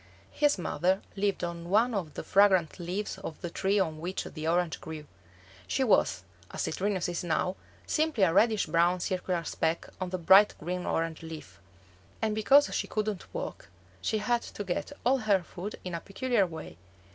His mother lived on one of the fragrant leaves of the tree on which the orange grew. She was, as Citrinus is now, simply a reddish brown circular speck on the bright green orange leaf; and because she couldn't walk, she had to get all her food in a peculiar way.